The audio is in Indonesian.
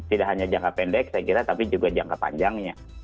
tidak hanya jangka pendek saya kira tapi juga jangka panjangnya